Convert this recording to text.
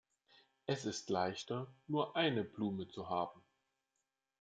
Es ist leichter, nur eine Blume zu haben.